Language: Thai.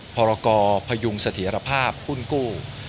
พรกพยุงเสถียรภาพหุ้นกู้